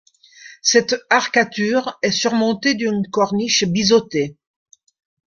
Cette arcature est surmontée d'une corniche biseautée.